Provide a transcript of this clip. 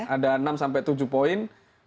ada enam sampai tujuh poin